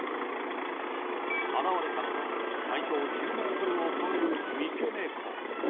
現れたのは体長１０ｍを超える三毛猫。